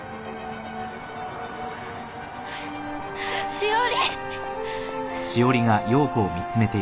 詩織！